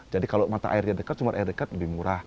jadi kalau mata airnya dekat sumber air dekat lebih murah